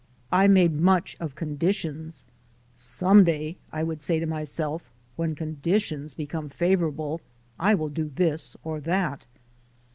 I made much of conditions. "Some day" I would say to myself, "when conditions become favorable, I will do this or that."